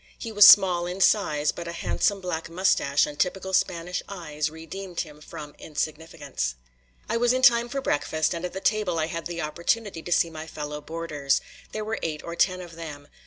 He was small in size, but a handsome black mustache and typical Spanish eyes redeemed him from insignificance. I was in time for breakfast, and at the table I had the opportunity to see my fellow boarders. There were eight or ten of them.